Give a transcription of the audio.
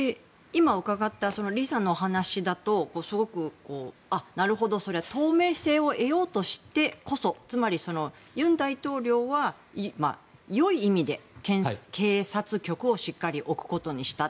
今、伺った李さんの話だとなるほど透明性を得ようとしてこそつまり、尹大統領は良い意味で、警察局をしっかり置くことにした。